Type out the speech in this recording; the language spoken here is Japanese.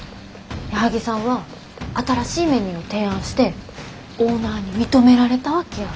矢作さんは新しいメニューを提案してオーナーに認められたわけよ。